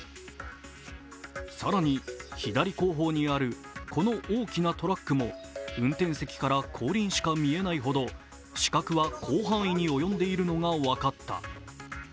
更に、左後方にある、この大きなトラックも運転席から後輪しか見えないほど死角は広範囲に及んでいるのが分かった。